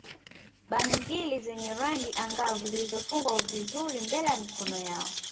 Bangili zenye rangi angavu zilizofungwa vizuri mbele ya mikono yao